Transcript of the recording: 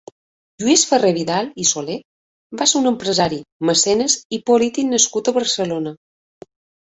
Lluís Ferrer-Vidal i Soler va ser un empresari, mecenes i polític nascut a Barcelona.